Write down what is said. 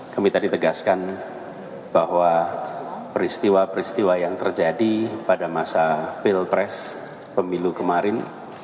kami tadi tegaskan bahwa peristiwa peristiwa yang terjadi pada masa pilpres pemilu kemarin